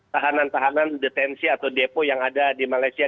tahanan tahanan detensi atau depo yang ada di malaysia